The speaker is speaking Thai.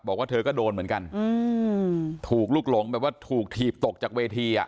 บอกว่าเธอก็โดนเหมือนกันถูกลุกหลงแบบว่าถูกถีบตกจากเวทีอ่ะ